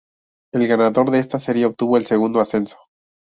El ganador de esta serie obtuvo el segundo ascenso.